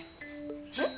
えっ？